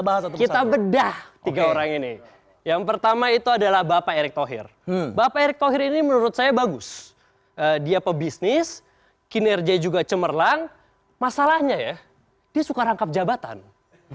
baju kita bedah tiga orang ini yang pertama itu adalah bapak erick tohir bapak irkon pak ini menurut saya bagus seperti masalahnya sebagai para pak b reaction ini menurut saya bagus dia pebisnis di perusahaan komunikasi institusi dankelabang yang milik mereka akan mengadakan tugas dan pendidikan tunisian